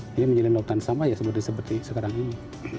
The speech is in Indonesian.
jadi menjadi lautan sampah seperti sekarang ini